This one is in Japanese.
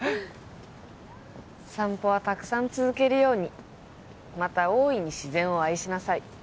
散歩はたくさん続けるようにまた大いに自然を愛しなさい